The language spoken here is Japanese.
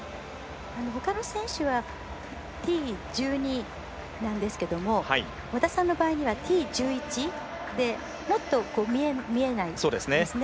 ほかの選手はＴ１２なんですけども和田さんの場合はＴ１１でもっと見えないんですね。